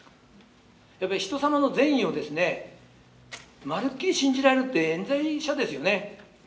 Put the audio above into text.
やっぱりひとさまの善意をまるっきり信じられるってえん罪者ですよね。